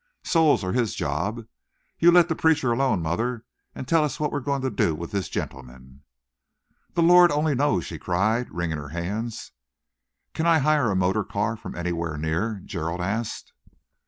Souls are his job. You let the preacher alone, mother, and tell us what we're going to do with this gentleman." "The Lord only knows!" she cried, wringing her hands. "Can I hire a motor car from anywhere near?" Gerald asked.